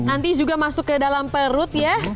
nanti juga masuk ke dalam perut ya